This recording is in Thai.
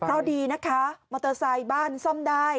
เพราะดีนะคะมอเตอร์ไซค์บ้านซ่อมได้